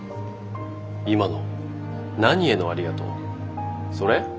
今の何への「ありがとう」？それ？